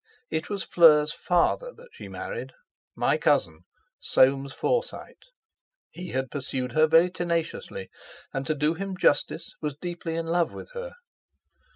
It was Fleur's father that she married, my cousin Soames Forsyte. He had pursued her very tenaciously and to do him justice was deeply in love with her.